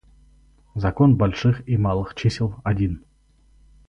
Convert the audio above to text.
Закон больших и малых чисел один.